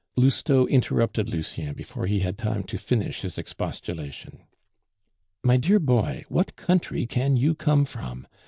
Lousteau interrupted Lucien before he had time to finish his expostulation. "My dear boy, what country can you come from?